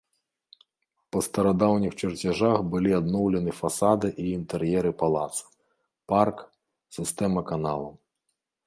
Па старадаўніх чарцяжах былі адноўлены фасады і інтэр'еры палаца, парк, сістэма каналаў.